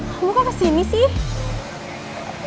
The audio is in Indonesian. kamu kan kesini sih